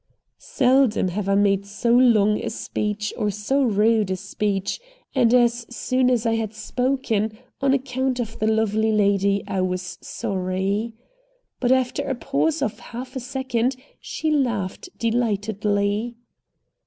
Seldom have I made so long a speech or so rude a speech, and as soon as I had spoken, on account of the lovely lady, I was sorry. But after a pause of half a second she laughed delightedly.